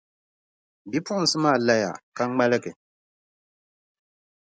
Bipuɣinsi maa laya ka ŋmaligi.